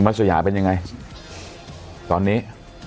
คุณมัสสุยาเป็นยังไงตอนนี้